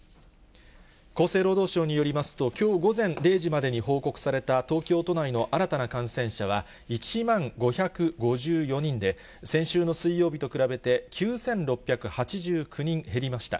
厚生労働省によりますと、きょう午前０時までに報告された東京都内の新たな感染者は、１万５５４人で、先週の水曜日と比べて、９６８９人減りました。